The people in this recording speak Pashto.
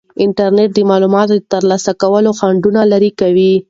انټرنیټ د معلوماتو د ترلاسه کولو خنډونه لرې کوي.